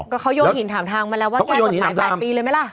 ก็เขาโยนหินถามทางมาแล้วว่าแก้กฎหมาย๘ปีเลยไหมล่ะ